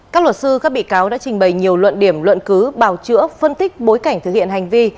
các luật sư các bị cáo đã trình bày nhiều luận điểm luận cứ bào chữa phân tích bối cảnh thực hiện hành vi